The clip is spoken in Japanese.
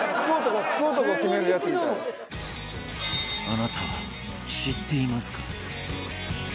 あなたは知っていますか？